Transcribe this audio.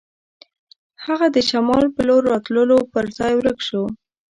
هغه د شمال په لور راتلو پر ځای ورک شو.